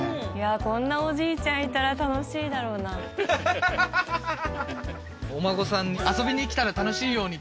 こんなおじいちゃんいたら楽しいだろうなははははっ